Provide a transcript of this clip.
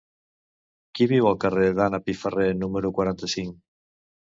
Qui viu al carrer d'Anna Piferrer número quaranta-cinc?